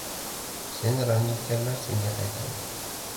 Seni ranjitganlar senga qaytadi